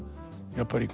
やっぱり